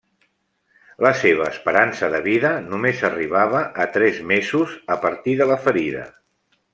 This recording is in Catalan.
La seva esperança de vida només arribava a tres mesos a partir de la ferida.